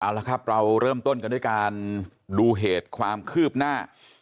เอาละครับเราเริ่มต้นกันด้วยการดูเหตุความคืบหน้า